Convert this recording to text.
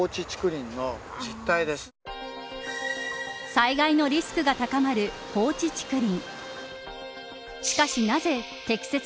災害のリスクが高まる放置竹林。